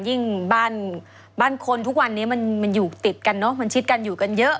ยิ่งบ้านบ้านคนทุกวันนี้มันอยู่ติดกันเนอะมันชิดกันอยู่กันเยอะ